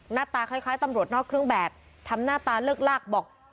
หน้าตาคล้ายตำรวจนอกเครื่องแบบทำหน้าตาเลิกลากบอก